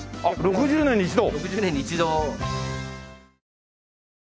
６０年に一度。